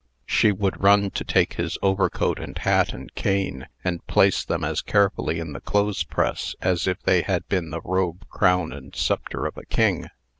She would run to take his overcoat and hat and cane, and place them as carefully in the clothes press as if they had been the robe, crown, and sceptre of a king.